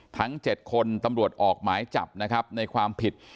ทั้ง๗คนตำรวจออกหมายจับนะครับในความผิด